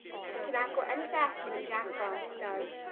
We cannot go any faster than Jack Frost does.